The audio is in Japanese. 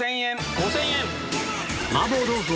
５０００円。